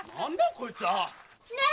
こいつは⁉ね！